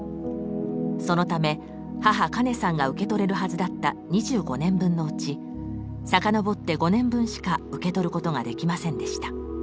そのため母・カネさんが受け取れるはずだった２５年分のうち遡って５年分しか受け取ることができませんでした。